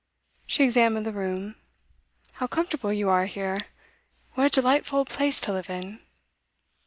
She examined the room. 'How comfortable you are here! what a delightful old place to live in!